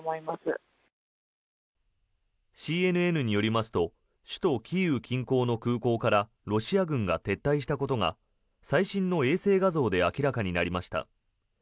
ＣＮＮによりますと首都キーウ近郊の空港からロシア軍が撤退したことが最新の衛星画像で明らかになりました。